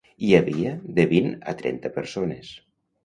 Hi havia de vint a trenta persones.